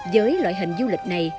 với loại hình du lịch này